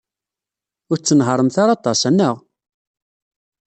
Ur tettenhaṛemt ara aṭas, anaɣ?